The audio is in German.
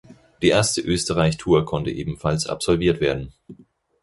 Die erste Österreich-Tour konnte ebenfalls absolviert werden.